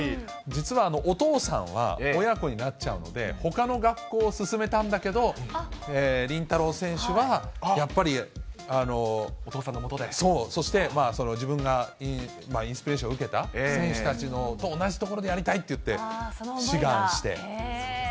実はお父さんは、親子になっちゃうので、ほかの学校を勧めたんだけれども、麟太郎選手はやっぱりお父さんのもとで、そして、自分がインスピレーションを受けた選手たちと同じところでやりたいって言って、志願して。